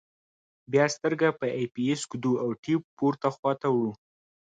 بیا سترګه په آی پیس ږدو او ټیوب پورته خواته وړو.